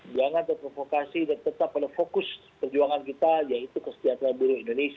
jangan terprovokasi dan tetap pada fokus perjuangan kita yaitu kesejahteraan buruh indonesia